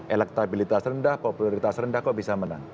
elektabilitas rendah popularitas rendah kok bisa menang